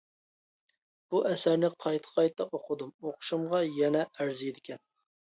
بۇ ئەسەرنى قايتا-قايتا ئوقۇدۇم، ئوقۇشۇمغا يەنە ئەرزىيدىكەن.